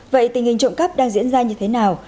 vậy tình hình trộm cắp đang diễn ra như thế nào